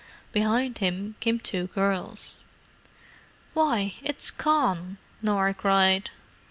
Behind him came two girls. "Why, it's Con!" Norah cried.